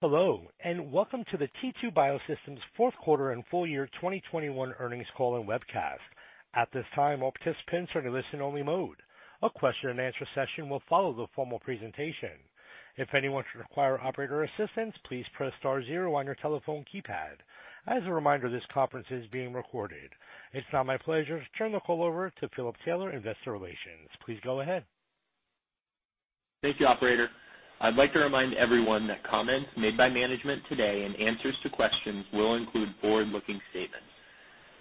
Hello, and welcome to the T2 Biosystems fourth quarter and full year 2021 earnings call and webcast. At this time, all participants are in listen only mode. A question and answer session will follow the formal presentation. If anyone should require operator assistance, please press star zero on your telephone keypad. As a reminder, this conference is being recorded. It's now my pleasure to turn the call over to Philip Taylor, Investor Relations. Please go ahead. Thank you, operator. I'd like to remind everyone that comments made by management today and answers to questions will include forward-looking statements.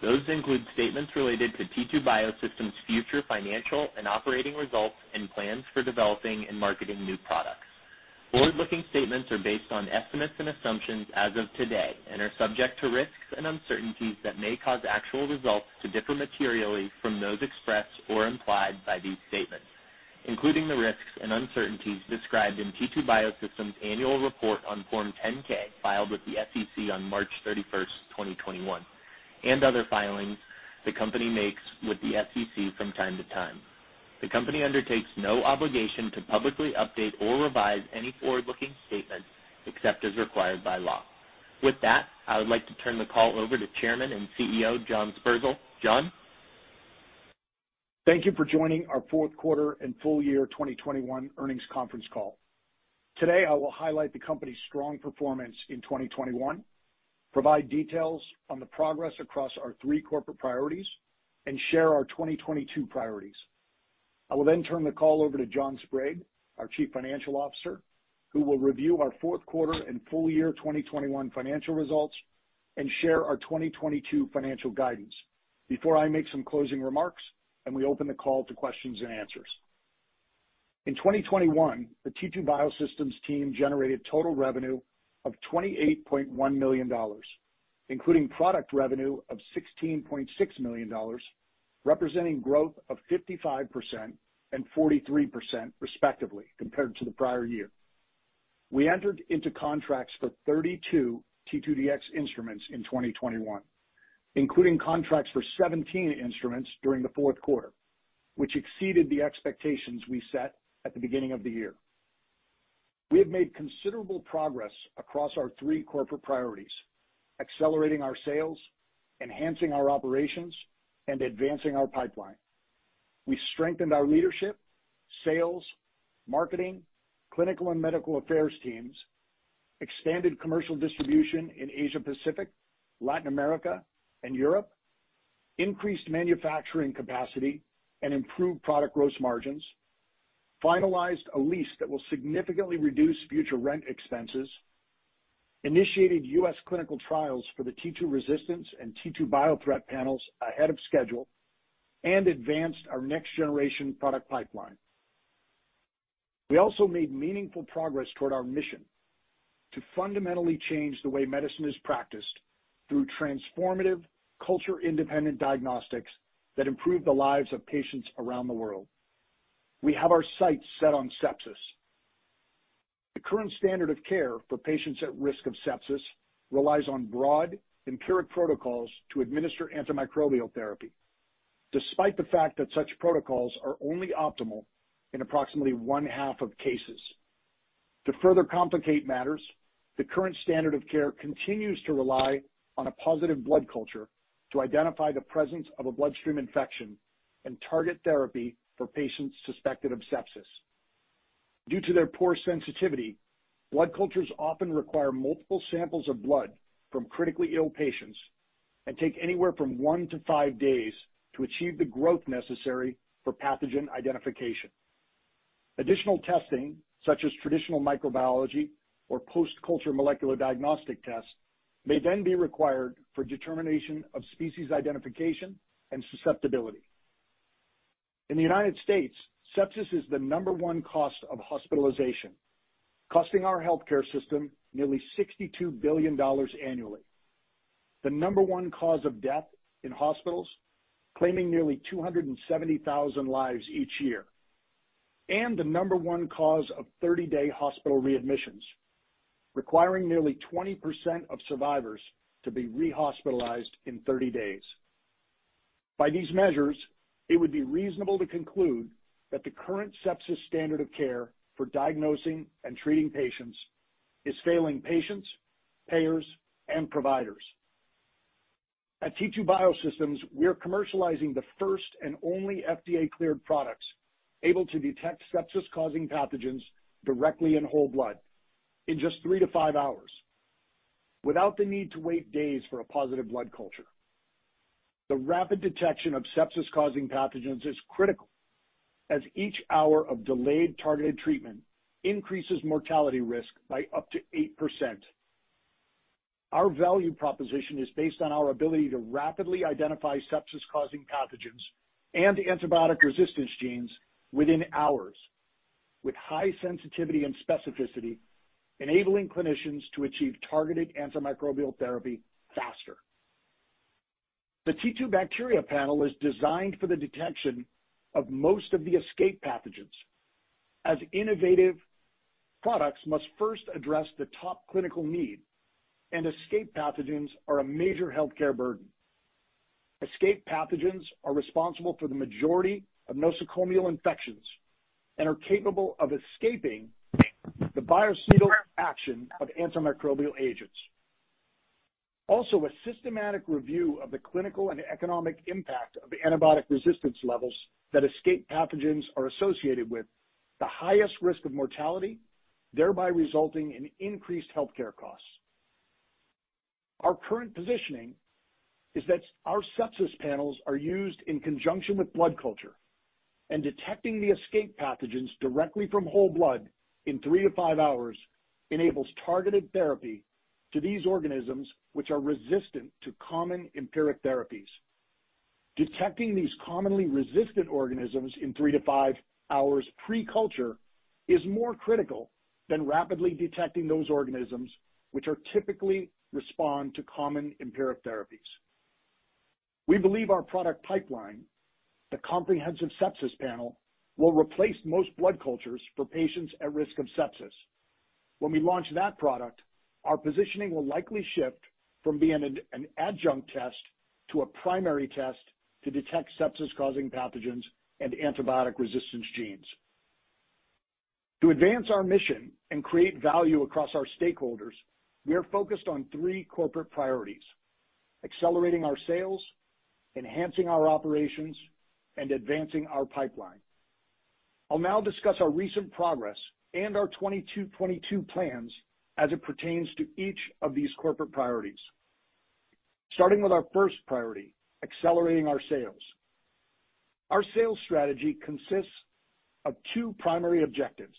Those include statements related to T2 Biosystems' future financial and operating results and plans for developing and marketing new products. Forward-looking statements are based on estimates and assumptions as of today and are subject to risks and uncertainties that may cause actual results to differ materially from those expressed or implied by these statements, including the risks and uncertainties described in T2 Biosystems' annual report on Form 10-K, filed with the SEC on March 31, 2021, and other filings the company makes with the SEC from time to time. The company undertakes no obligation to publicly update or revise any forward-looking statements except as required by law. With that, I would like to turn the call over to Chairman and CEO, John Sperzel. John? Thank you for joining our fourth quarter and full year 2021 earnings conference call. Today, I will highlight the company's strong performance in 2021, provide details on the progress across our three corporate priorities, and share our 2022 priorities. I will then turn the call over to John Sprague, our Chief Financial Officer, who will review our fourth quarter and full year 2021 financial results and share our 2022 financial guidance before I make some closing remarks, and we open the call to questions and answers. In 2021, the T2 Biosystems team generated total revenue of $28.1 million, including product revenue of $16.6 million, representing growth of 55% and 43% respectively compared to the prior year. We entered into contracts for 32 T2Dx instruments in 2021, including contracts for 17 instruments during the fourth quarter, which exceeded the expectations we set at the beginning of the year. We have made considerable progress across our three corporate priorities, accelerating our sales, enhancing our operations, and advancing our pipeline. We strengthened our leadership, sales, marketing, clinical and medical affairs teams, expanded commercial distribution in Asia-Pacific, Latin America and Europe, increased manufacturing capacity and improved product gross margins, finalized a lease that will significantly reduce future rent expenses, initiated U.S. clinical trials for the T2Resistance and T2Biothreat panels ahead of schedule, and advanced our next-generation product pipeline. We also made meaningful progress toward our mission to fundamentally change the way medicine is practiced through transformative culture-independent diagnostics that improve the lives of patients around the world. We have our sights set on sepsis. The current standard of care for patients at risk of sepsis relies on broad empiric protocols to administer antimicrobial therapy, despite the fact that such protocols are only optimal in approximately one-half of cases. To further complicate matters, the current standard of care continues to rely on a positive blood culture to identify the presence of a bloodstream infection and target therapy for patients suspected of sepsis. Due to their poor sensitivity, blood cultures often require multiple samples of blood from critically ill patients and take anywhere from one-five days to achieve the growth necessary for pathogen identification. Additional testing, such as traditional microbiology or post-culture molecular diagnostic tests, may then be required for determination of species identification and susceptibility. In the United States, sepsis is the number one cause of hospitalization, costing our healthcare system nearly $62 billion annually. The number one cause of death in hospitals, claiming nearly 270,000 lives each year, and the number one cause of 30-day hospital readmissions, requiring nearly 20% of survivors to be re-hospitalized in 30 days. By these measures, it would be reasonable to conclude that the current sepsis standard of care for diagnosing and treating patients is failing patients, payers, and providers. At T2 Biosystems, we are commercializing the first and only FDA-cleared products able to detect sepsis-causing pathogens directly in whole blood in just three-five hours without the need to wait days for a positive blood culture. The rapid detection of sepsis-causing pathogens is critical as each hour of delayed targeted treatment increases mortality risk by up to 8%. Our value proposition is based on our ability to rapidly identify sepsis-causing pathogens and antibiotic resistance genes within hours with high sensitivity and specificity, enabling clinicians to achieve targeted antimicrobial therapy faster. The T2Bacteria panel is designed for the detection of most of the ESKAPE pathogens as innovative products must first address the top clinical need, and ESKAPE pathogens are a major healthcare burden. ESKAPE pathogens are responsible for the majority of nosocomial infections and are capable of escaping the biocidal action of antimicrobial agents. Also, a systematic review of the clinical and economic impact of the antibiotic resistance levels that ESKAPE pathogens are associated with the highest risk of mortality, thereby resulting in increased healthcare costs. Our current positioning is that our sepsis panels are used in conjunction with blood culture, and detecting the ESKAPE pathogens directly from whole blood in three-five hours enables targeted therapy to these organisms, which are resistant to common empiric therapies. Detecting these commonly resistant organisms in three-five hours pre-culture is more critical than rapidly detecting those organisms which are typically responsive to common empiric therapies. We believe our product pipeline, the Comprehensive Sepsis Panel, will replace most blood cultures for patients at risk of sepsis. When we launch that product, our positioning will likely shift from being an adjunct test to a primary test to detect sepsis-causing pathogens and antibiotic resistance genes. To advance our mission and create value across our stakeholders, we are focused on three corporate priorities, accelerating our sales, enhancing our operations, and advancing our pipeline. I'll now discuss our recent progress and our 2022 plans as it pertains to each of these corporate priorities. Starting with our first priority, accelerating our sales. Our sales strategy consists of two primary objectives.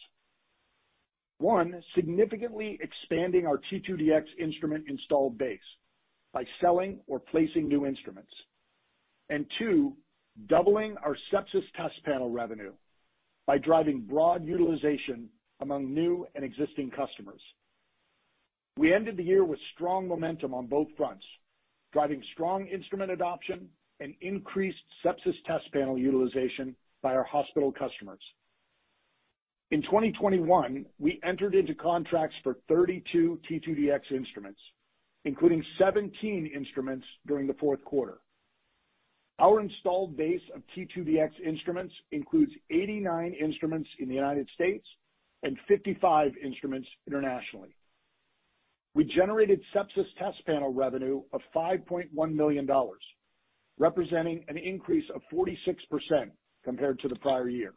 One, significantly expanding our T2Dx instrument installed base by selling or placing new instruments. Two, doubling our sepsis test panel revenue by driving broad utilization among new and existing customers. We ended the year with strong momentum on both fronts, driving strong instrument adoption and increased sepsis test panel utilization by our hospital customers. In 2021, we entered into contracts for 32 T2Dx instruments, including 17 instruments during the fourth quarter. Our installed base of T2Dx instruments includes 89 instruments in the United States and 55 instruments internationally. We generated sepsis test panel revenue of $5.1 million, representing an increase of 46% compared to the prior year.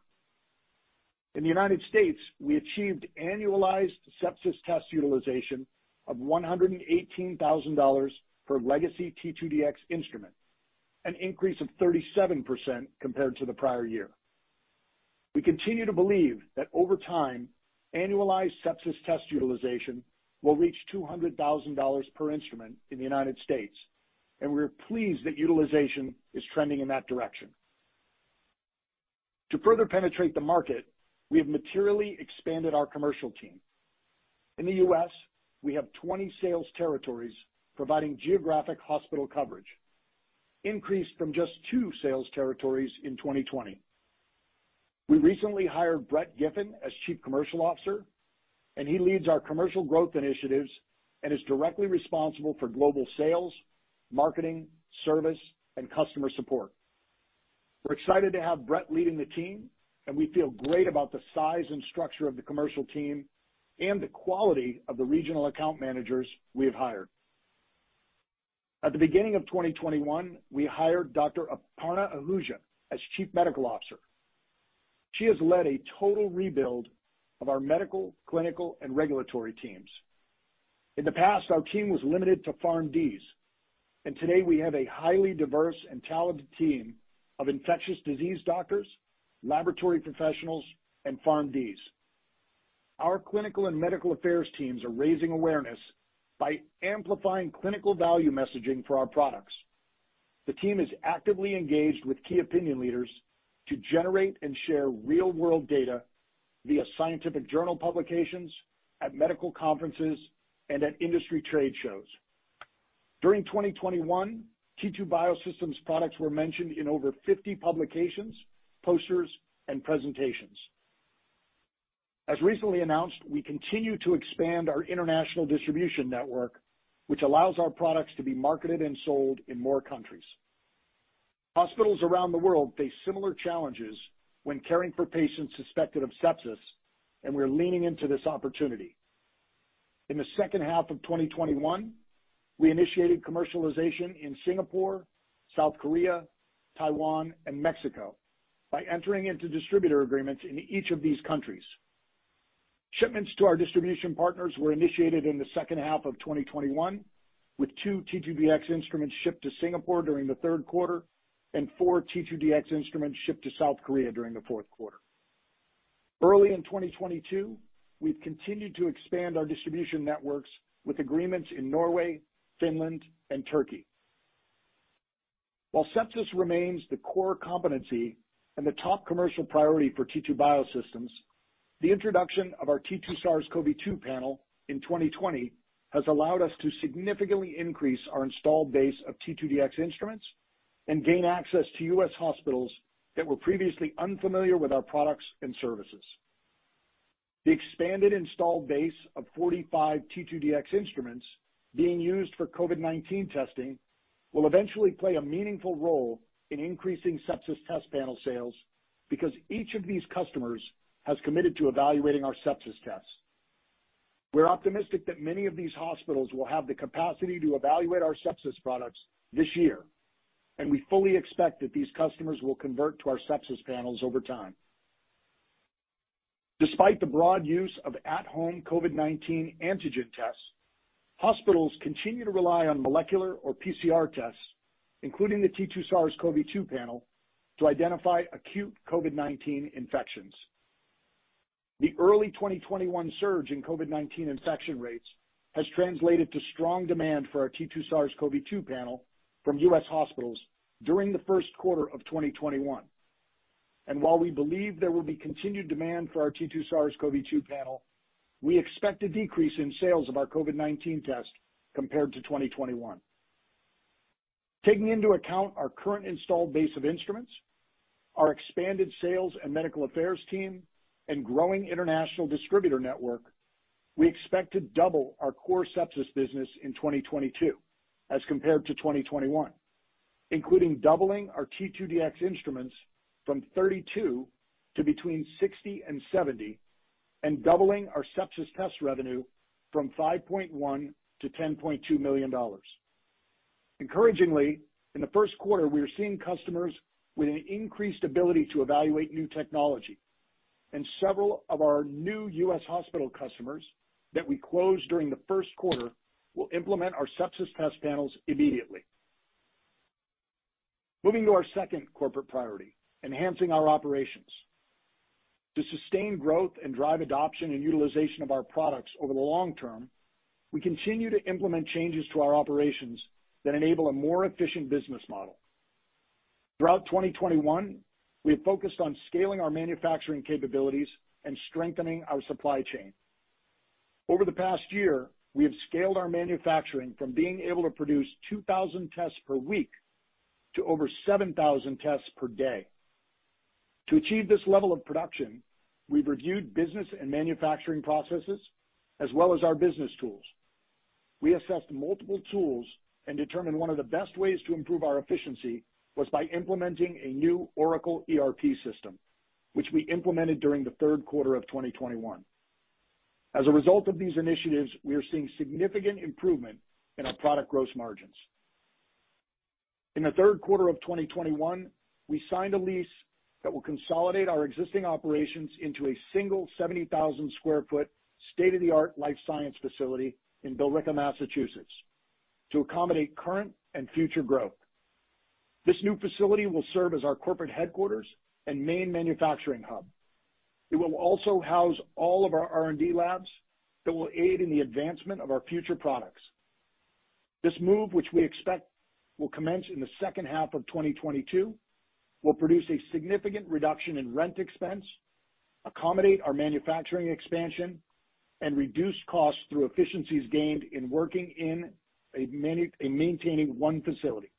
In the United States, we achieved annualized sepsis test utilization of $118,000 per legacy T2Dx instrument, an increase of 37% compared to the prior year. We continue to believe that over time, annualized sepsis test utilization will reach $200,000 per instrument in the United States, and we are pleased that utilization is trending in that direction. To further penetrate the market, we have materially expanded our commercial team. In the U.S., we have 20 sales territories providing geographic hospital coverage, increased from just two sales territories in 2020. We recently hired Brett Giffin as Chief Commercial Officer, and he leads our commercial growth initiatives and is directly responsible for global sales, marketing, service, and customer support. We're excited to have Brett leading the team, and we feel great about the size and structure of the commercial team and the quality of the regional account managers we have hired. At the beginning of 2021, we hired Dr. Aparna Ahuja as Chief Medical Officer. She has led a total rebuild of our medical, clinical, and regulatory teams. In the past, our team was limited to PharmDs, and today we have a highly diverse and talented team of infectious disease doctors, laboratory professionals, and PharmDs. Our clinical and medical affairs teams are raising awareness by amplifying clinical value messaging for our products. The team is actively engaged with key opinion leaders to generate and share real-world data via scientific journal publications, at medical conferences, and at industry trade shows. During 2021, T2 Biosystems products were mentioned in over 50 publications, posters, and presentations. As recently announced, we continue to expand our international distribution network, which allows our products to be marketed and sold in more countries. Hospitals around the world face similar challenges when caring for patients suspected of sepsis, and we're leaning into this opportunity. In the second half of 2021, we initiated commercialization in Singapore, South Korea, Taiwan, and Mexico by entering into distributor agreements in each of these countries. Shipments to our distribution partners were initiated in the second half of 2021, with 2 T2Dx instruments shipped to Singapore during the third quarter and 4 T2Dx instruments shipped to South Korea during the fourth quarter. Early in 2022, we've continued to expand our distribution networks with agreements in Norway, Finland, and Turkey. While sepsis remains the core competency and the top commercial priority for T2 Biosystems, the introduction of our T2SARS-CoV-2 panel in 2020 has allowed us to significantly increase our installed base of T2Dx instruments and gain access to U.S. hospitals that were previously unfamiliar with our products and services. The expanded installed base of 45 T2Dx instruments being used for COVID-19 testing will eventually play a meaningful role in increasing sepsis test panel sales because each of these customers has committed to evaluating our sepsis tests. We're optimistic that many of these hospitals will have the capacity to evaluate our sepsis products this year, and we fully expect that these customers will convert to our sepsis panels over time. Despite the broad use of at-home COVID-19 antigen tests, hospitals continue to rely on molecular or PCR tests, including the T2SARS-CoV-2 panel, to identify acute COVID-19 infections. The early 2021 surge in COVID-19 infection rates has translated to strong demand for our T2SARS-CoV-2 panel from U.S. hospitals during the first quarter of 2021. While we believe there will be continued demand for our T2SARS-CoV-2 panel, we expect a decrease in sales of our COVID-19 test compared to 2021. Taking into account our current installed base of instruments, our expanded sales and medical affairs team, and growing international distributor network, we expect to double our core sepsis business in 2022 as compared to 2021, including doubling our T2Dx instruments from 32 to between 60 and 70, and doubling our sepsis test revenue from $5.1 million to $10.2 million. Encouragingly, in the first quarter, we are seeing customers with an increased ability to evaluate new technology and several of our new U.S. hospital customers that we closed during the first quarter will implement our sepsis test panels immediately. Moving to our second corporate priority, enhancing our operations. To sustain growth and drive adoption and utilization of our products over the long term, we continue to implement changes to our operations that enable a more efficient business model. Throughout 2021, we have focused on scaling our manufacturing capabilities and strengthening our supply chain. Over the past year, we have scaled our manufacturing from being able to produce 2,000 tests per week to over 7,000 tests per day. To achieve this level of production, we've reviewed business and manufacturing processes, as well as our business tools. We assessed multiple tools and determined one of the best ways to improve our efficiency was by implementing a new Oracle ERP system, which we implemented during the third quarter of 2021. As a result of these initiatives, we are seeing significant improvement in our product gross margins. In the third quarter of 2021, we signed a lease that will consolidate our existing operations into a single 70,000 sq ft state-of-the-art life science facility in Billerica, Massachusetts, to accommodate current and future growth. This new facility will serve as our corporate headquarters and main manufacturing hub. It will also house all of our R&D labs that will aid in the advancement of our future products. This move, which we expect will commence in the second half of 2022, will produce a significant reduction in rent expense, accommodate our manufacturing expansion, and reduce costs through efficiencies gained in working in a maintaining one facility.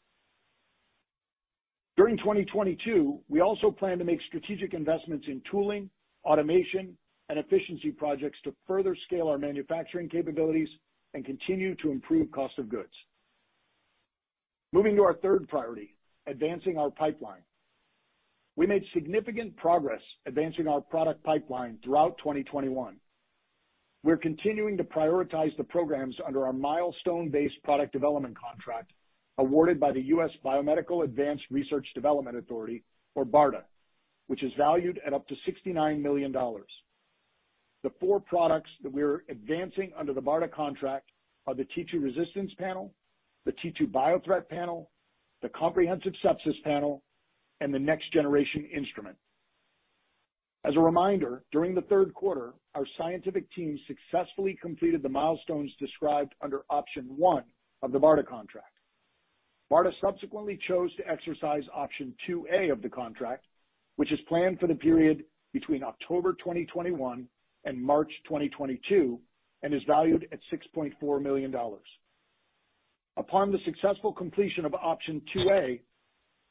During 2022, we also plan to make strategic investments in tooling, automation, and efficiency projects to further scale our manufacturing capabilities and continue to improve cost of goods. Moving to our third priority, advancing our pipeline. We made significant progress advancing our product pipeline throughout 2021. We're continuing to prioritize the programs under our milestone-based product development contract awarded by the U.S. Biomedical Advanced Research and Development Authority, or BARDA, which is valued at up to $69 million. The four products that we are advancing under the BARDA contract are the T2Resistance Panel, the T2Biothreat Panel, the Comprehensive Sepsis Panel, and the next-generation instrument. As a reminder, during the third quarter, our scientific team successfully completed the milestones described under option one of the BARDA contract. BARDA subsequently chose to exercise option two A of the contract, which is planned for the period between October 2021 and March 2022 and is valued at $6.4 million. Upon the successful completion of option two A,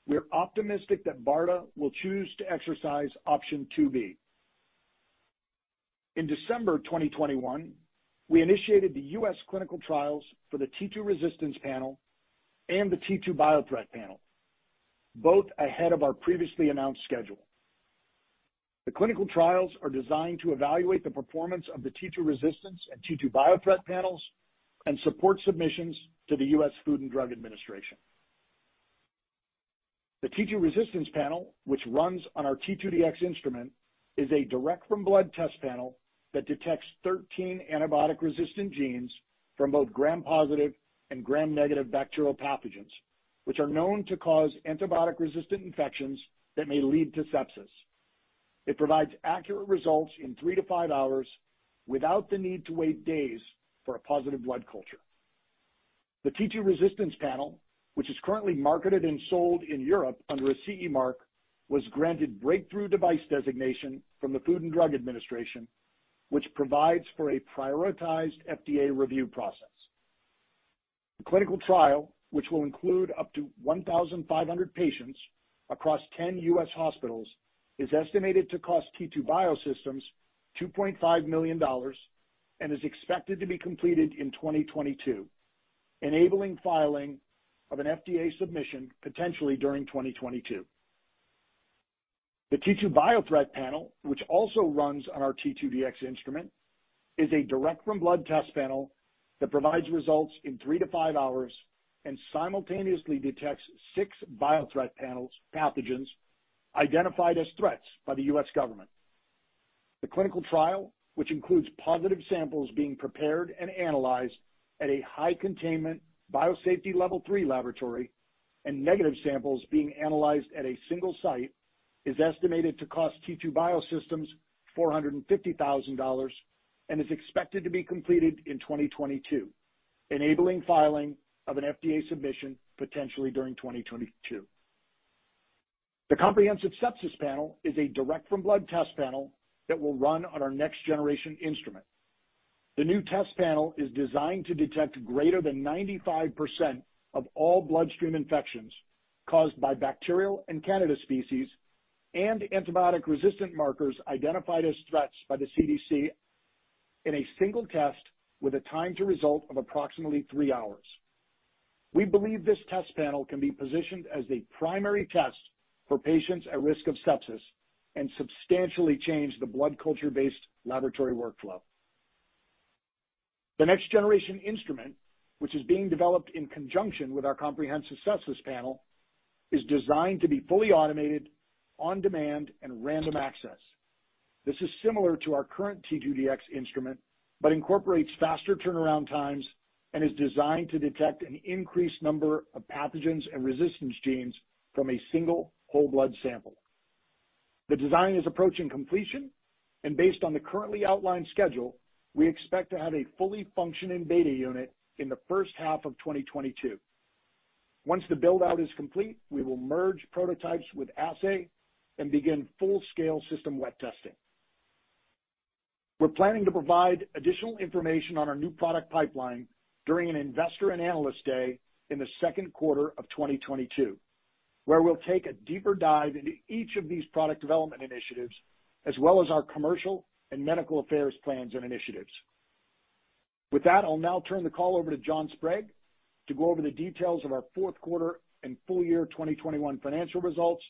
we are optimistic that BARDA will choose to exercise option two B. In December 2021, we initiated the U.S. clinical trials for the T2Resistance Panel and the T2Biothreat Panel, both ahead of our previously announced schedule. The clinical trials are designed to evaluate the performance of the T2Resistance Panel and the T2Biothreat Panel and support submissions to the U.S. Food and Drug Administration. The T2Resistance Panel, which runs on our T2Dx instrument, is a direct from blood test panel that detects 13 antibiotic resistance genes from both gram-positive and gram-negative bacterial pathogens, which are known to cause antibiotic-resistant infections that may lead to sepsis. It provides accurate results in 3-5 hours without the need to wait days for a positive blood culture. The T2Resistance Panel, which is currently marketed and sold in Europe under a CE mark, was granted Breakthrough Device designation from the Food and Drug Administration, which provides for a prioritized FDA review process. The clinical trial, which will include up to 1,500 patients across 10 U.S. hospitals, is estimated to cost T2 Biosystems $25 million and is expected to be completed in 2022, enabling filing of an FDA submission potentially during 2022. The T2Biothreat Panel, which also runs on our T2Dx instrument, is a direct from blood test panel that provides results in three-five hours and simultaneously detects 6 biothreat pathogens identified as threats by the U.S. government. The clinical trial, which includes positive samples being prepared and analyzed at a high containment biosafety level three laboratory and negative samples being analyzed at a single site, is estimated to cost T2 Biosystems $450,000 and is expected to be completed in 2022, enabling filing of an FDA submission potentially during 2022. The Comprehensive Sepsis Panel is a direct from blood test panel that will run on our next-generation instrument. The new test panel is designed to detect greater than 95% of all bloodstream infections caused by bacterial and candida species and antibiotic resistant markers identified as threats by the CDC in a single test with a time to result of approximately three hours. We believe this test panel can be positioned as a primary test for patients at risk of sepsis and substantially change the blood culture-based laboratory workflow. The next-generation instrument, which is being developed in conjunction with our Comprehensive Sepsis Panel, is designed to be fully automated on demand and random access. This is similar to our current T2Dx instrument, but incorporates faster turnaround times and is designed to detect an increased number of pathogens and resistance genes from a single whole blood sample. The design is approaching completion and based on the currently outlined schedule, we expect to have a fully functioning beta unit in the first half of 2022. Once the build out is complete, we will merge prototypes with assay and begin full scale system wet testing. We're planning to provide additional information on our new product pipeline during an investor and analyst day in the second quarter of 2022, where we'll take a deeper dive into each of these product development initiatives as well as our commercial and medical affairs plans and initiatives. With that, I'll now turn the call over to John Sprague to go over the details of our fourth quarter and full year 2021 financial results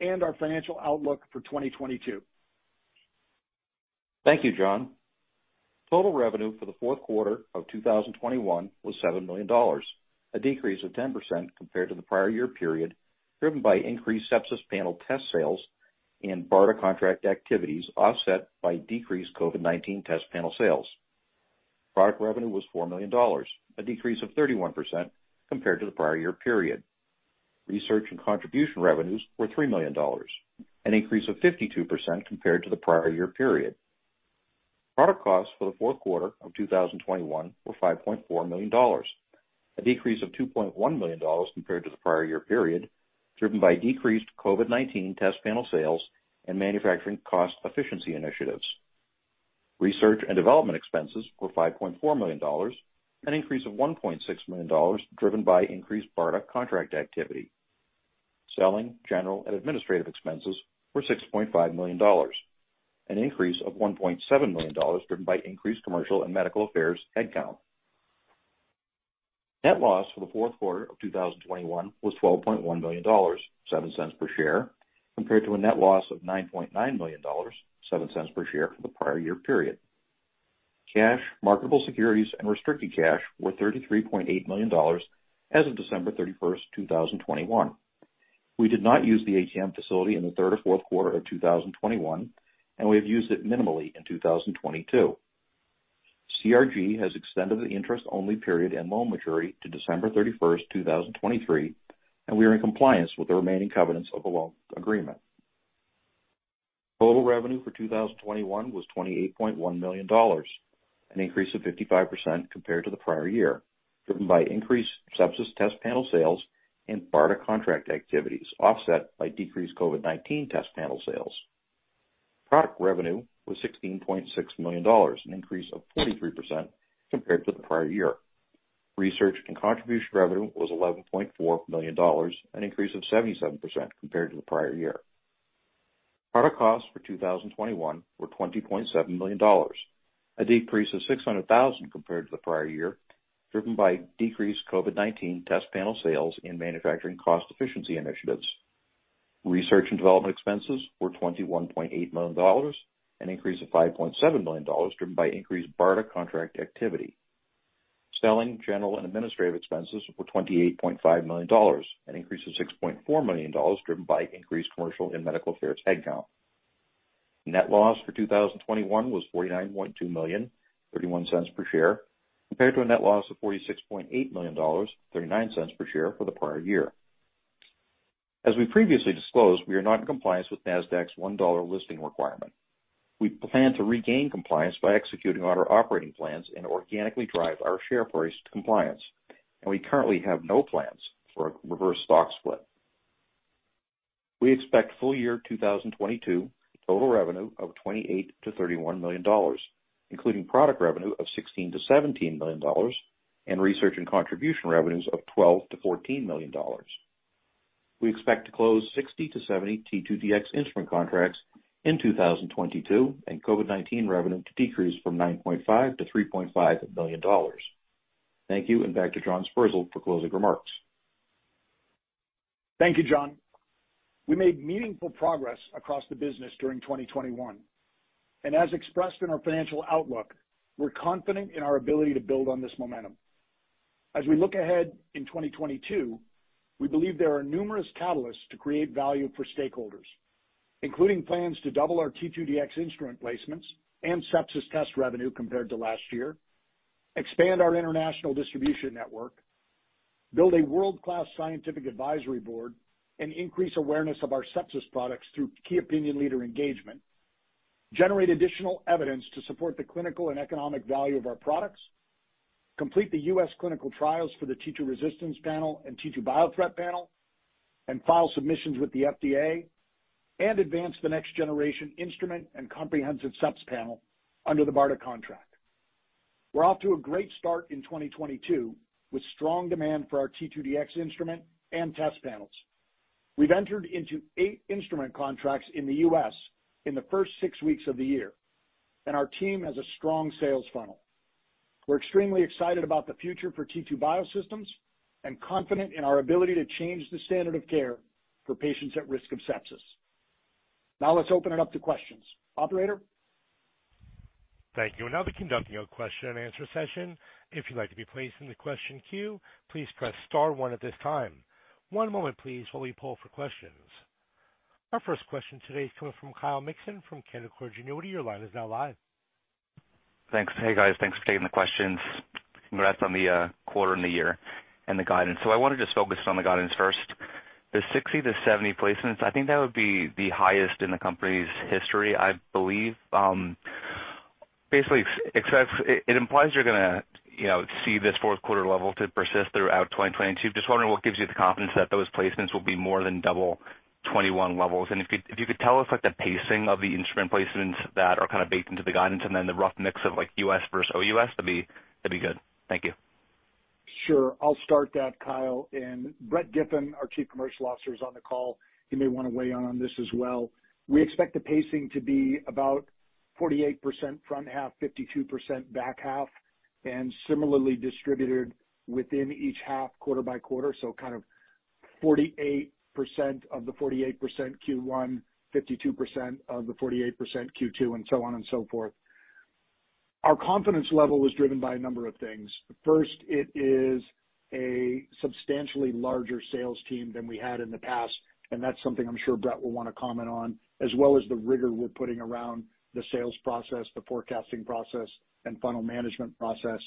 and our financial outlook for 2022. Thank you, John. Total revenue for the fourth quarter of 2021 was $7 million, a decrease of 10% compared to the prior year period, driven by increased sepsis panel test sales and BARDA contract activities, offset by decreased COVID-19 test panel sales. Product revenue was $4 million, a decrease of 31% compared to the prior year period. Research and contribution revenues were $3 million, an increase of 52% compared to the prior year period. Product costs for the fourth quarter of 2021 were $5.4 million, a decrease of $2.1 million compared to the prior year period, driven by decreased COVID-19 test panel sales and manufacturing cost efficiency initiatives. Research and development expenses were $5.4 million, an increase of $1.6 million, driven by increased BARDA contract activity. Selling, general and administrative expenses were $6.5 million, an increase of $1.7 million, driven by increased commercial and medical affairs headcount. Net loss for the fourth quarter of 2021 was $12.1 million, $0.07 per share, compared to a net loss of $9.9 million, $0.07 per share for the prior year period. Cash, marketable securities and restricted cash were $33.8 million as of December 31, 2021. We did not use the ATM facility in the third or fourth quarter of 2021, and we have used it minimally in 2022. CRG has extended the interest-only period and loan maturity to December 31, 2023, and we are in compliance with the remaining covenants of the loan agreement. Total revenue for 2021 was $28.1 million, an increase of 55% compared to the prior year, driven by increased sepsis test panel sales and BARDA contract activities, offset by decreased COVID-19 test panel sales. Product revenue was $16.6 million, an increase of 43% compared to the prior year. Research and contribution revenue was $11.4 million, an increase of 77% compared to the prior year. Product costs for 2021 were $20.7 million, a decrease of $600,000 compared to the prior year, driven by decreased COVID-19 test panel sales and manufacturing cost efficiency initiatives. Research and development expenses were $21.8 million, an increase of $5.7 million, driven by increased BARDA contract activity. Selling, general and administrative expenses were $28.5 million, an increase of $6.4 million, driven by increased commercial and medical affairs headcount. Net loss for 2021 was $49.2 million, $0.31 per share, compared to a net loss of $46.8 million, $0.39 per share for the prior year. As we previously disclosed, we are not in compliance with Nasdaq's $1 listing requirement. We plan to regain compliance by executing on our operating plans and organically drive our share price to compliance. We currently have no plans for a reverse stock split. We expect full year 2022 total revenue of $28million-$31 million, including product revenue of $16million-$17 million and research and contribution revenues of $12million-$14 million. We expect to close 60-70 T2Dx instrument contracts in 2022 and COVID-19 revenue to decrease from $9.5 million to $3.5 million. Thank you. Back to John Sperzel for closing remarks. Thank you, John. We made meaningful progress across the business during 2021. As expressed in our financial outlook, we're confident in our ability to build on this momentum. As we look ahead in 2022, we believe there are numerous catalysts to create value for stakeholders, including plans to double our T2Dx instrument placements and sepsis test revenue compared to last year, expand our international distribution network, build a world-class scientific advisory board, and increase awareness of our sepsis products through key opinion leader engagement, generate additional evidence to support the clinical and economic value of our products, complete the U.S. clinical trials for the T2Resistance Panel and T2Biothreat Panel, and file submissions with the FDA, and advance the next-generation instrument and Comprehensive Sepsis Panel under the BARDA contract. We're off to a great start in 2022 with strong demand for our T2Dx instrument and test panels. We've entered into eight instrument contracts in the U.S. in the first six weeks of the year, and our team has a strong sales funnel. We're extremely excited about the future for T2 Biosystems and confident in our ability to change the standard of care for patients at risk of sepsis. Now let's open it up to questions. Operator? Thank you. We're now conducting our question and answer session. If you'd like to be placed in the question queue, please press star one at this time. One moment please while we poll for questions. Our first question today is coming from Kyle Mikson from Canaccord Genuity. Your line is now live. Thanks. Hey, guys. Thanks for taking the questions. Congrats on the quarter and the year and the guidance. I want to just focus on the guidance first. The 60-70 placements, I think that would be the highest in the company's history, I believe. Basically accept it implies you're gonna, you know, see this fourth quarter level to persist throughout 2022. Just wondering what gives you the confidence that those placements will be more than double 2021 levels? And if you could tell us, like, the pacing of the instrument placements that are kind of baked into the guidance and then the rough mix of, like, U.S. versus OUS, that'd be good. Thank you. Sure. I'll start that, Kyle, and Brett Giffin, our Chief Commercial Officer, is on the call. He may wanna weigh in on this as well. We expect the pacing to be about 48% front half, 52% back half, and similarly distributed within each half quarter by quarter. Kind of 48% of the 48% Q1, 52% of the 48% Q2, and so on and so forth. Our confidence level was driven by a number of things. First, it is a substantially larger sales team than we had in the past, and that's something I'm sure Brett will wanna comment on, as well as the rigor we're putting around the sales process, the forecasting process, and funnel management process,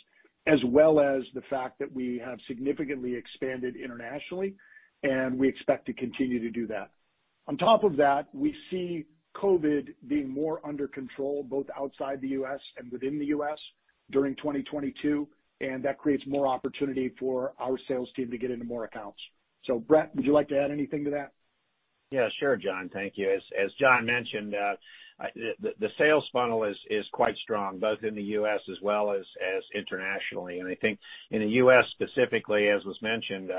as well as the fact that we have significantly expanded internationally, and we expect to continue to do that. On top of that, we see COVID being more under control both outside the U.S. and within the U.S. during 2022, and that creates more opportunity for our sales team to get into more accounts. Brett, would you like to add anything to that? Yeah, sure, John. Thank you. As John mentioned, the sales funnel is quite strong, both in the U.S. as well as internationally. I think in the U.S. specifically, as was mentioned,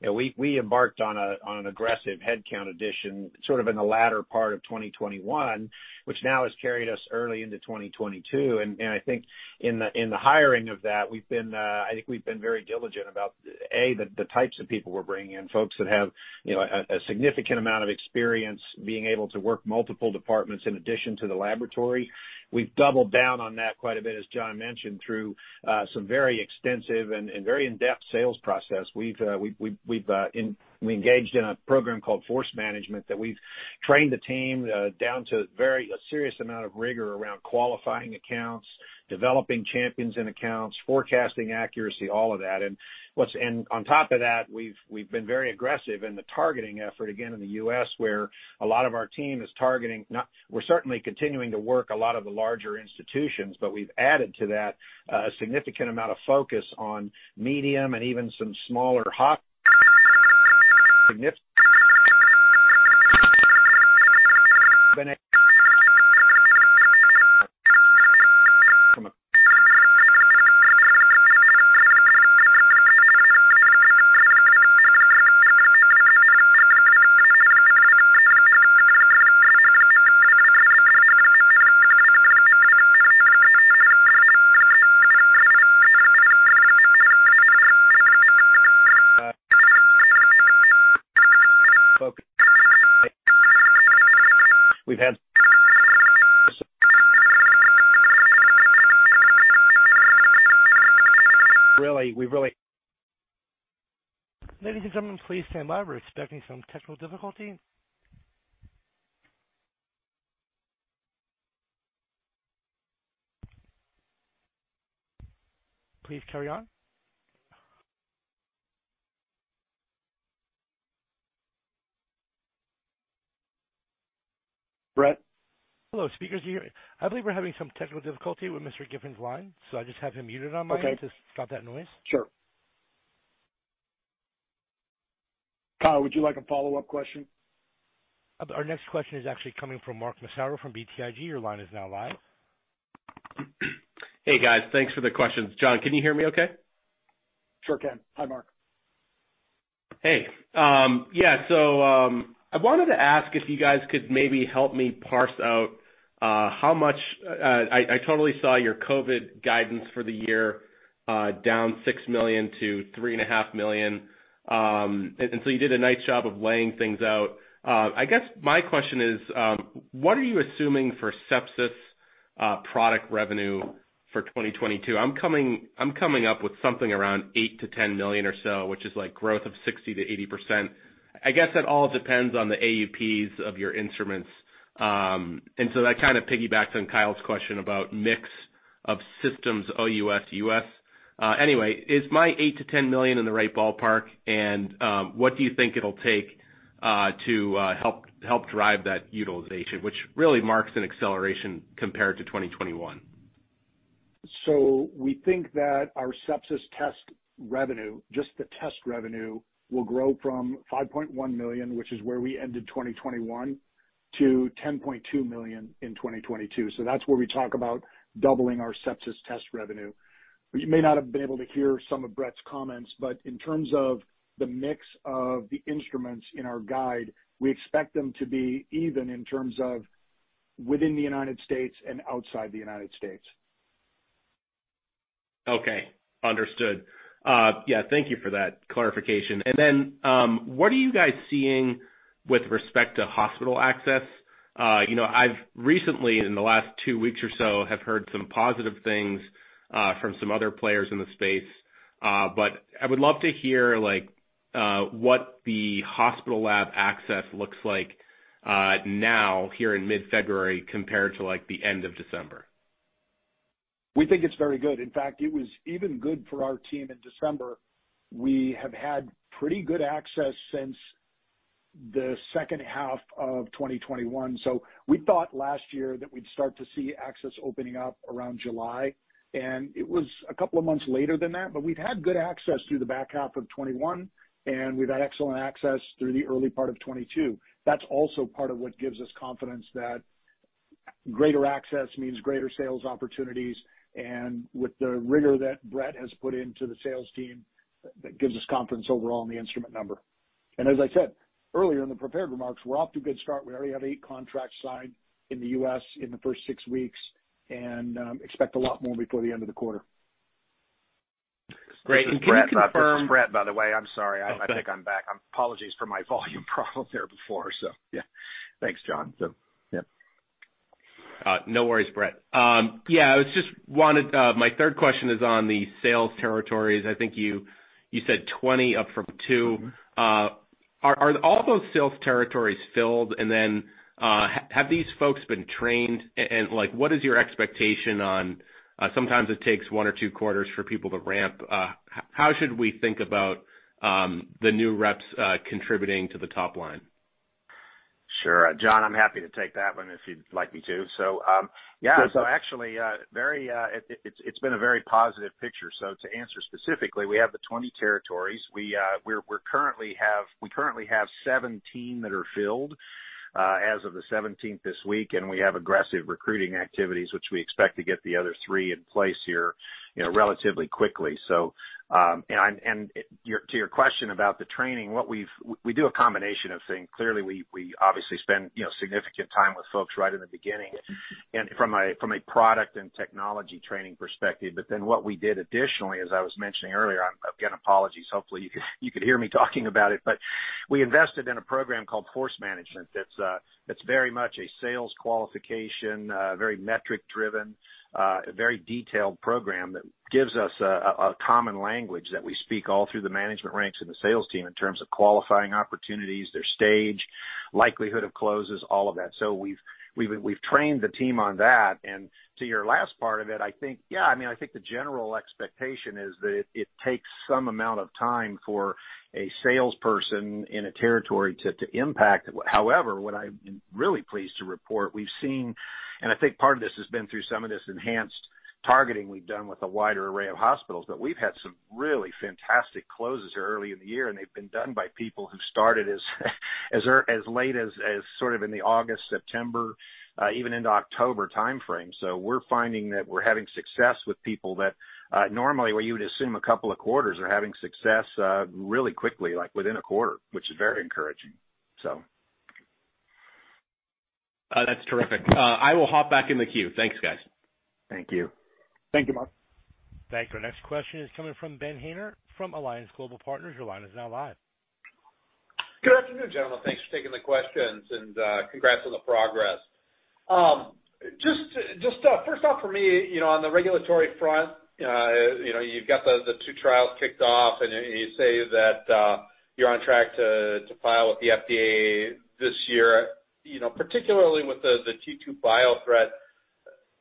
you know, we embarked on an aggressive headcount addition sort of in the latter part of 2021, which now has carried us early into 2022. I think in the hiring of that, we've been very diligent about the types of people we're bringing in, folks that have you know a significant amount of experience being able to work multiple departments in addition to the laboratory. We've doubled down on that quite a bit, as John mentioned, through some very extensive and very in-depth sales process. We've engaged in a program called Force Management that we've trained the team down to a serious amount of rigor around qualifying accounts, developing champions in accounts, forecasting accuracy, all of that. On top of that, we've been very aggressive in the targeting effort, again, in the U.S., where a lot of our team is targeting. We're certainly continuing to work a lot of the larger institutions, but we've added to that, a significant amount of focus on medium and even some smaller. Ladies and gentlemen, please stand by. We're expecting some technical difficulty. Please carry on. Brett? Hello, speakers. Do you hear me? I believe we're having some technical difficulty with Mr. Giffin's line, so I just have him muted on my end. Okay. To stop that noise. Sure. Kyle, would you like a follow-up question? Our next question is actually coming from Mark Massaro from BTIG. Your line is now live. Hey, guys. Thanks for the questions. John, can you hear me okay? Sure can. Hi, Mark. Hey. Yeah, I wanted to ask if you guys could maybe help me parse out how much I totally saw your COVID guidance for the year, down $6 million to $3.5 million. You did a nice job of laying things out. I guess my question is, what are you assuming for sepsis product revenue for 2022? I'm coming up with something around $8 million-$10 million or so, which is like growth of 60%-80%. I guess it all depends on the ASPs of your instruments. That kind of piggybacks on Kyle's question about mix of systems, OUS, US. Anyway, is my $8 million-$10 million in the right ballpark? What do you think it'll take to help drive that utilization, which really marks an acceleration compared to 2021? We think that our sepsis test revenue, just the test revenue, will grow from $5.1 million, which is where we ended 2021, to $10.2 million in 2022. That's where we talk about doubling our sepsis test revenue. You may not have been able to hear some of Brett's comments, but in terms of the mix of the instruments in our guide, we expect them to be even in terms of within the United States and outside the United States. Okay. Understood. Yeah, thank you for that clarification. Then, what are you guys seeing with respect to hospital access? You know, I've recently, in the last two weeks or so, have heard some positive things from some other players in the space. But I would love to hear like what the hospital lab access looks like now here in mid-February compared to like the end of December. We think it's very good. In fact, it was even good for our team in December. We have had pretty good access since the second half of 2021. We thought last year that we'd start to see access opening up around July, and it was a couple of months later than that, but we've had good access through the back half of 2021, and we've had excellent access through the early part of 2022. That's also part of what gives us confidence that greater access means greater sales opportunities. With the rigor that Brett has put into the sales team, that gives us confidence overall in the instrument number. As I said earlier in the prepared remarks, we're off to a good start. We already have eight contracts signed in the U.S. in the first six weeks and expect a lot more before the end of the quarter. Great. Can you confirm- This is Brett, by the way. I'm sorry. Okay. I think I'm back. Apologies for my volume problem there before. Yeah. Thanks, John. Yeah. No worries, Brett. Yeah, my third question is on the sales territories. I think you said 20 up from 2. Mm-hmm. Are all those sales territories filled? Have these folks been trained? Like, what is your expectation on sometimes it takes one or two quarters for people to ramp? How should we think about the new reps contributing to the top line? Sure. John, I'm happy to take that one if you'd like me to. Yeah. Good. Actually, it's been a very positive picture. To answer specifically, we have the 20 territories. We currently have 17 that are filled as of the 17th this week, and we have aggressive recruiting activities, which we expect to get the other three in place here, you know, relatively quickly. To your question about the training, we do a combination of things. Clearly, we obviously spend, you know, significant time with folks right in the beginning and from a product and technology training perspective. But then what we did additionally, as I was mentioning earlier, again, apologies, hopefully you could hear me talking about it. But we invested in a program called Force Management. That's very much a sales qualification, very metric driven, very detailed program that gives us a common language that we speak all through the management ranks and the sales team in terms of qualifying opportunities, their stage, likelihood of closes, all of that. So we've trained the team on that. To your last part of it, I think, yeah, I mean, I think the general expectation is that it takes some amount of time for a salesperson in a territory to impact. However, what I'm really pleased to report, we've seen, and I think part of this has been through some of this enhanced targeting we've done with a wider array of hospitals, but we've had some really fantastic closes early in the year, and they've been done by people who started as late as sort of in the August, September, even into October timeframe. We're finding that we're having success with people that normally where you would assume a couple of quarters are having success really quickly, like within a quarter, which is very encouraging. That's terrific. I will hop back in the queue. Thanks, guys. Thank you. Thank you, Mark. Thank you. Our next question is coming from Ben Haynor from Alliance Global Partners. Your line is now live. Good afternoon, gentlemen. Thanks for taking the questions, and congrats on the progress. Just first off for me, you know, on the regulatory front, you know, you've got the two trials kicked off and you say that you're on track to file with the FDA this year. You know, particularly with the T2Biothreat.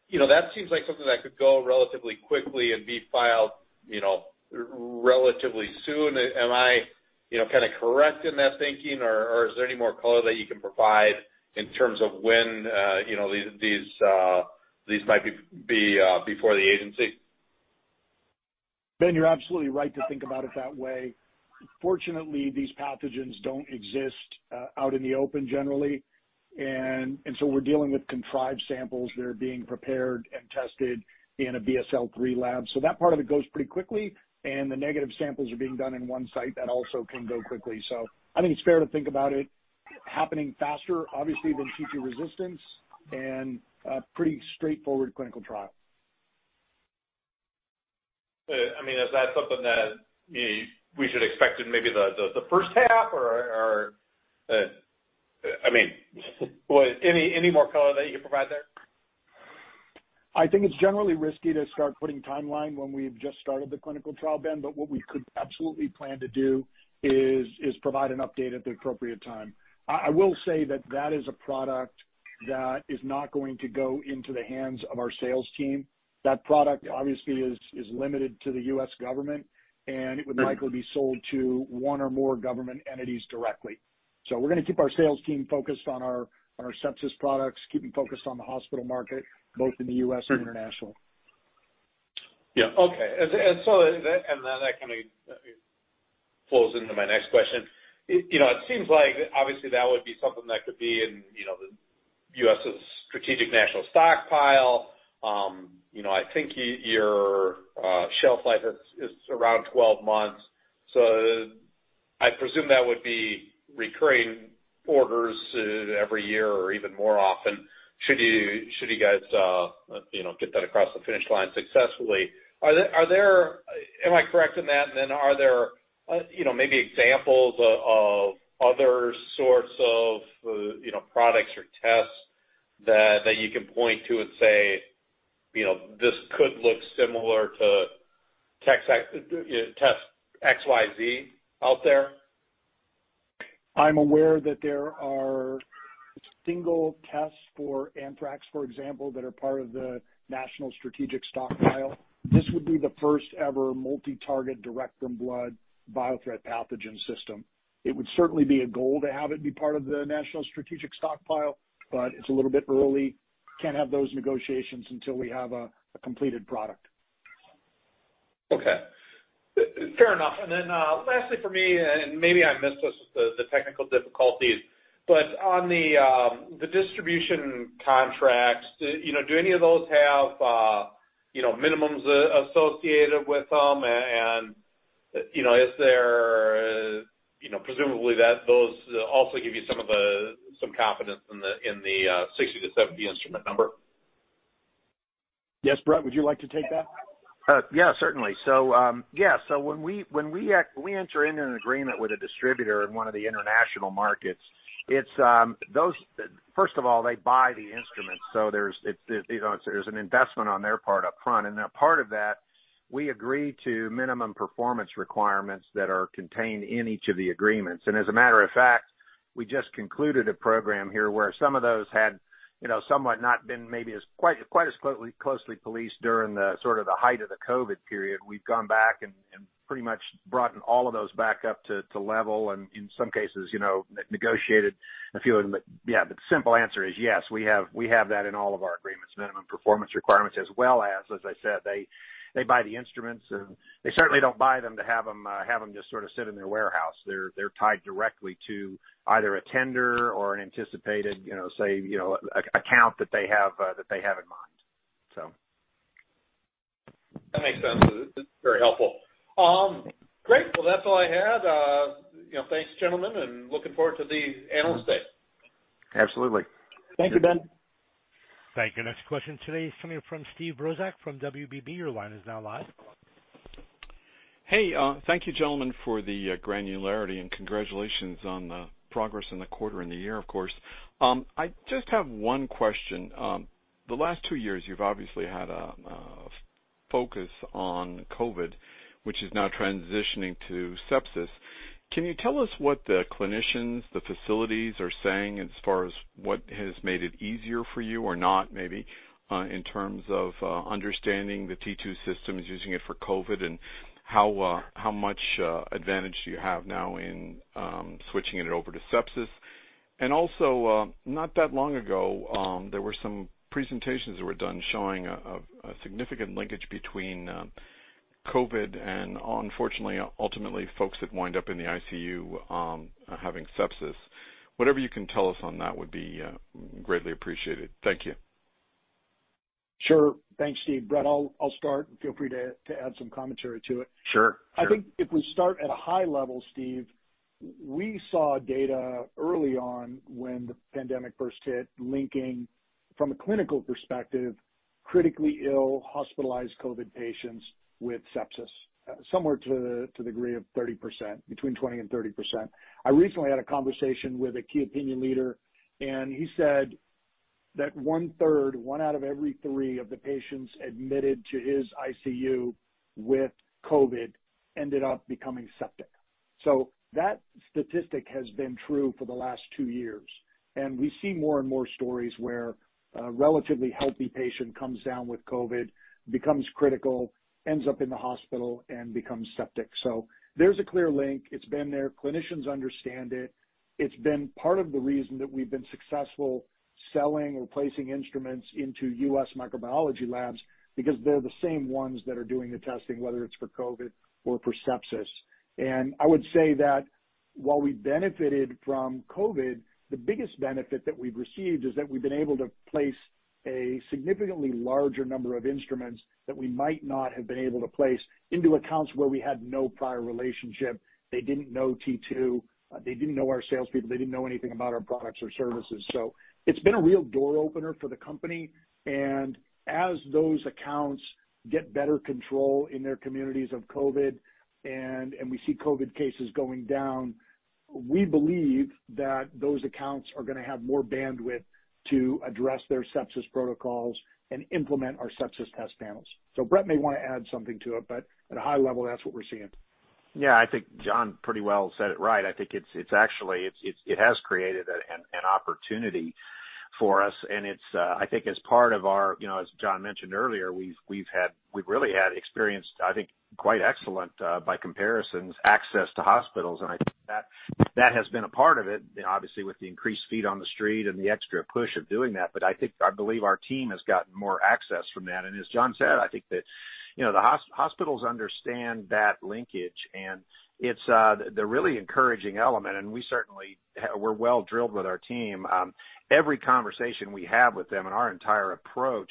You know, that seems like something that could go relatively quickly and be filed, you know, relatively soon. Am I, you know, kinda correct in that thinking, or is there any more color that you can provide in terms of when, you know, these might be before the agency? Ben, you're absolutely right to think about it that way. Fortunately, these pathogens don't exist out in the open generally. We're dealing with contrived samples that are being prepared and tested in a BSL-3 lab. That part of it goes pretty quickly, and the negative samples are being done in one site. That also can go quickly. I think it's fair to think about it happening faster, obviously, than T2Resistance and a pretty straightforward clinical trial. I mean, is that something that we should expect in maybe the first half or, I mean, well, any more color that you can provide there? I think it's generally risky to start putting timeline when we've just started the clinical trial, Ben, but what we could absolutely plan to do is provide an update at the appropriate time. I will say that is a product that is not going to go into the hands of our sales team. That product obviously is limited to the U.S. government, and it would likely be sold to one or more government entities directly. We're gonna keep our sales team focused on our sepsis products, keeping focused on the hospital market, both in the U.S. and international. Yeah. Okay. That kind of flows into my next question. It seems like obviously that would be something that could be in the U.S.' Strategic National Stockpile. You know, I think your shelf life is around 12 months. So I presume that would be recurring orders every year or even more often, should you guys get that across the finish line successfully. Are there... Am I correct in that? Then are there maybe examples of other sorts of products or tests that you can point to and say this could look similar to test XYZ out there? I'm aware that there are single tests for anthrax, for example, that are part of the Strategic National Stockpile. This would be the first-ever multi-target direct from blood biothreat pathogen system. It would certainly be a goal to have it be part of the Strategic National Stockpile, but it's a little bit early. Can't have those negotiations until we have a completed product. Okay. Fair enough. Lastly for me, and maybe I missed this with the technical difficulties, but on the distribution contracts, you know, do any of those have, you know, minimums associated with them, and, you know, is there, you know, presumably that those also give you some of the confidence in the 60-70 instrument number? Yes. Brett, would you like to take that? Yeah, certainly. When we enter into an agreement with a distributor in one of the international markets, it's those. First of all, they buy the instruments, so there's an investment on their part up front. A part of that, we agree to minimum performance requirements that are contained in each of the agreements. As a matter of fact, we just concluded a program here where some of those had somewhat not been maybe as quite as closely policed during the height of the COVID period. We've gone back and pretty much brought all of those back up to level and in some cases negotiated a few of them. Yeah, the simple answer is yes, we have that in all of our agreements, minimum performance requirements as well as I said, they buy the instruments and they certainly don't buy them to have them just sort of sit in their warehouse. They're tied directly to either a tender or an anticipated, you know, say, you know, an account that they have in mind. That makes sense. It's very helpful. Great. Well, that's all I had. You know, thanks, gentlemen, and looking forward to the Analyst Day. Absolutely. Thank you, Ben. Thank you. Next question today is coming from Steve Brozak from WBB. Your line is now live. Hey, thank you, gentlemen, for the granularity and congratulations on the progress in the quarter and the year, of course. I just have one question. The last two years, you've obviously had a focus on COVID, which is now transitioning to sepsis. Can you tell us what the clinicians, the facilities are saying as far as what has made it easier for you or not, maybe, in terms of understanding the T2 system is using it for COVID and how much advantage do you have now in switching it over to sepsis? Also, not that long ago, there were some presentations that were done showing a significant linkage between COVID and unfortunately, ultimately folks that wind up in the ICU having sepsis. Whatever you can tell us on that would be greatly appreciated. Thank you. Sure. Thanks, Steve. Brett, I'll start. Feel free to add some commentary to it. Sure. Sure. I think if we start at a high level, Steve, we saw data early on when the pandemic first hit, linking from a clinical perspective, critically ill hospitalized COVID patients with sepsis, somewhere to the degree of 30%, between 20% and 30%. I recently had a conversation with a key opinion leader, and he said that one-third, one out of every three of the patients admitted to his ICU with COVID ended up becoming septic. That statistic has been true for the last two years. We see more and more stories where a relatively healthy patient comes down with COVID, becomes critical, ends up in the hospital, and becomes septic. There's a clear link. It's been there. Clinicians understand it. It's been part of the reason that we've been successful selling or placing instruments into U.S. microbiology labs because they're the same ones that are doing the testing, whether it's for COVID or for sepsis. I would say that while we benefited from COVID, the biggest benefit that we've received is that we've been able to place a significantly larger number of instruments that we might not have been able to place into accounts where we had no prior relationship. They didn't know T2, they didn't know our salespeople, they didn't know anything about our products or services. It's been a real door opener for the company. As those accounts get better control in their communities of COVID, and we see COVID cases going down, we believe that those accounts are gonna have more bandwidth to address their sepsis protocols and implement our sepsis test panels. Brett may wanna add something to it, but at a high level, that's what we're seeing. Yeah. I think John pretty well said it right. I think it's actually it has created an opportunity for us, and it's I think as part of our you know as John mentioned earlier we've really had experienced I think quite excellent by comparison access to hospitals. I think that has been a part of it you know obviously with the increased feet on the street and the extra push of doing that. I think I believe our team has gotten more access from that. As John said I think that you know the hospitals understand that linkage and it's the really encouraging element and we certainly we're well-drilled with our team. Every conversation we have with them in our entire approach,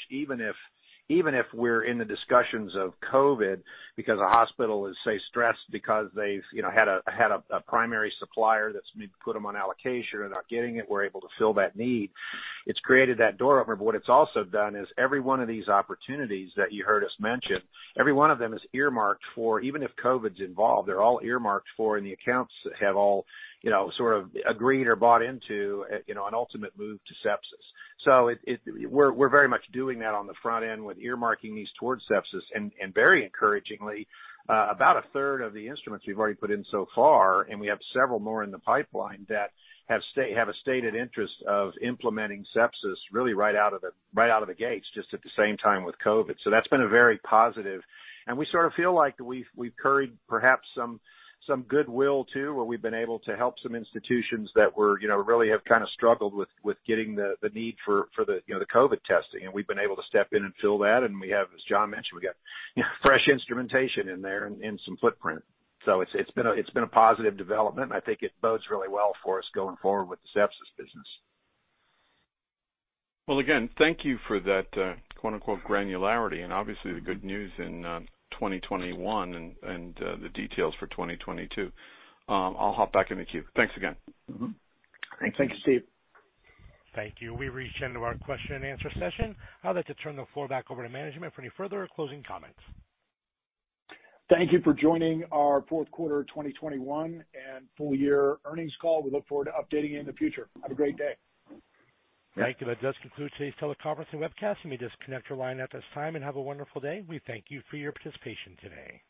even if we're in the discussions of COVID because a hospital is, say, stressed because they've had a primary supplier that's maybe put them on allocation and aren't getting it, we're able to fill that need. It's created that door opener. What it's also done is every one of these opportunities that you heard us mention, every one of them is earmarked for, even if COVID's involved, they're all earmarked for, and the accounts have all, you know, sort of agreed or bought into, you know, an ultimate move to sepsis. We're very much doing that on the front end with earmarking these towards sepsis. Very encouragingly, about a third of the instruments we've already put in so far, and we have several more in the pipeline that have a stated interest of implementing sepsis really right out of the gates, just at the same time with COVID. That's been a very positive. We sort of feel like we've curried perhaps some goodwill too, where we've been able to help some institutions that were, you know, really have kinda struggled with getting the need for the COVID testing. We've been able to step in and fill that. As John mentioned, we got, you know, fresh instrumentation in there and some footprint. It's been a positive development, and I think it bodes really well for us going forward with the sepsis business. Well, again, thank you for that, quote, unquote, "granularity," and obviously the good news in 2021 and the details for 2022. I'll hop back in the queue. Thanks again. Mm-hmm. Thank you, Steve. Thank you. We've reached the end of our question and answer session. I'd like to turn the floor back over to management for any further closing comments. Thank you for joining our fourth quarter of 2021 and full year earnings call. We look forward to updating you in the future. Have a great day. Thank you. That does conclude today's teleconference and webcast. You may disconnect your line at this time and have a wonderful day. We thank you for your participation today.